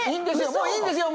もういいんですよ。